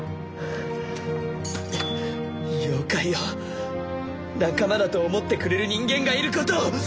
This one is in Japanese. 妖怪を仲間だと思ってくれる人間がいることを！